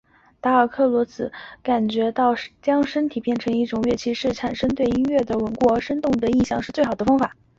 达尔克罗兹感觉到将身体变成一种乐器是产生对音乐的稳固而生动的印象的最好的方法。